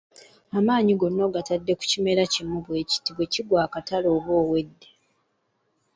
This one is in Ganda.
Amaanyi gonna ogatadde ku kimera kimu bwe kigwa akatale oba owedde.